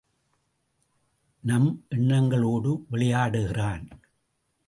நம் எண்ணங்களோடு விளையாடுகிறான்.